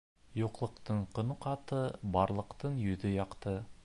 Юҡлыҡтың көнө ҡаты, барлыҡтың йөҙө яҡты.